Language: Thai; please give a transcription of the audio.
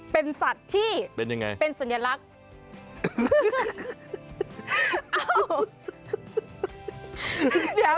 เป็นสัตว์ที่เป็นสัญลักษณ์